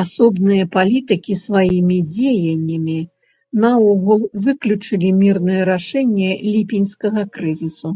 Асобныя палітыкі сваімі дзеяннямі наогул выключалі мірнае рашэнне ліпеньскага крызісу.